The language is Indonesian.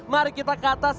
mari kita ke atas